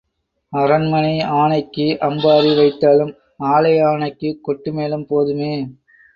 அரண்மனை ஆனைக்கு அம்பாரி வைத்தாலும் ஆலய ஆனைக்குக் கொட்டு மேளம் போதுமே.